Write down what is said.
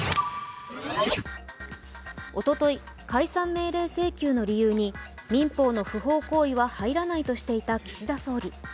おととい解散命令請求の理由に民法の不法行為は入らないとしていた岸田総理。